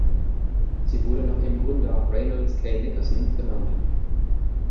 Sie wurde nach ihrem Gründer, Reynolds K. Nickerson, benannt.